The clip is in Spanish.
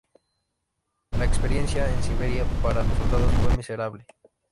La experiencia en Siberia para los soldados fue miserable.